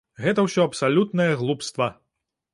Гэта ўсё абсалютнае глупства!